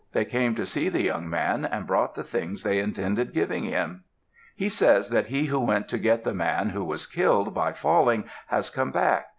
They came to see the young man and brought the things they intended giving him. "He says that he who went to get the man who was killed by falling has come back.